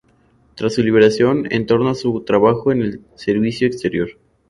Tras su liberación retornó a su trabajo en el Servicio Exterior.